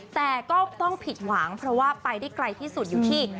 แต่ก็ต้องผิดหวังเพราะว่าไปได้ไกลที่สุดอยู่ที่